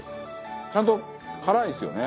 ちゃんと辛いですよね。